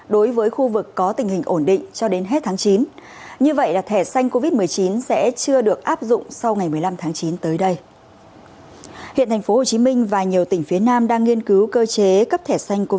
đối với khu vực có tình hình ổn định